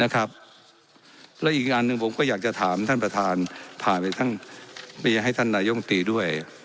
และอีกอันหนึ่งผมก็อยากจะถามท่านประธานผ่านไปให้ท่านนายมตรีด้วย